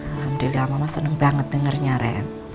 alhamdulillah mama seneng banget dengernya ren